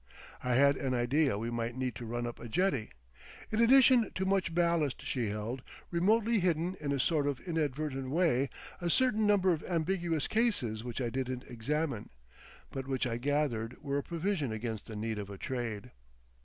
I had an idea we might need to run up a jetty. In addition to much ballast she held, remotely hidden in a sort of inadvertent way a certain number of ambiguous cases which I didn't examine, but which I gathered were a provision against the need of a trade.